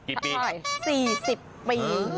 กี่ปี